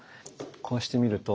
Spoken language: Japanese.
こうして見ると。